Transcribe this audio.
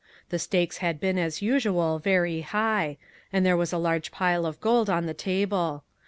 The stakes had been, as usual, very high, and there was a large pile of gold on the table.